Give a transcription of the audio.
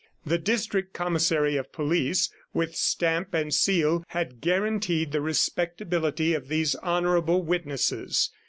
The district Commissary of Police, with stamp and seal, had guaranteed the respectability of these honorable witnesses.